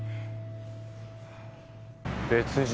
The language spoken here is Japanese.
別人。